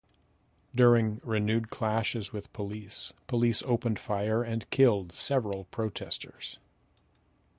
During renewed clashes with police, police opened fire and killed several protesters.